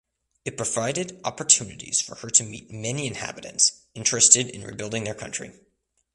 It provided opportunities for her to meet many inhabitants interested in rebuilding their country.